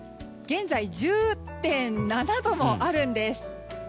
現在１０．７度もあるんです。